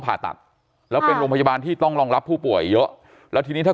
ผ่าตัดแล้วเป็นโรงพยาบาลที่ต้องรองรับผู้ป่วยเยอะแล้วทีนี้ถ้า